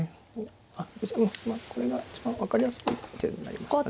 あっうんこれが一番分かりやすい一手になりましたね。